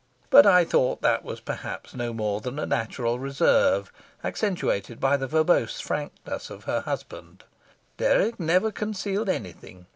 But I thought that was perhaps no more than a natural reserve accentuated by the verbose frankness of her husband. Dirk never concealed anything.